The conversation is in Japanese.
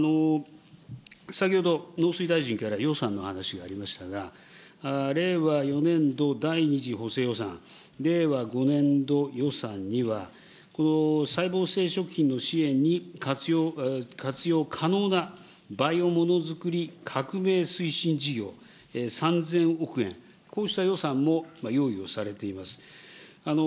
先ほど、農水大臣から予算の話がありましたが、令和４年度第２次補正予算、令和５年度予算には、この細胞性食品の支援に活用可能なバイオものづくり革命推進事業３０００億円、こうした予算も用意をされています。